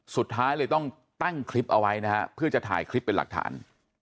สุดท้ายเลยต้องตั้งคลิปเอาไว้นะฮะเพื่อจะถ่ายคลิปเป็นหลักฐาน